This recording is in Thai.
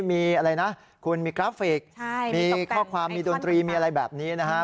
มีอะไรนะคุณมีกราฟิกมีข้อความมีดนตรีมีอะไรแบบนี้นะฮะ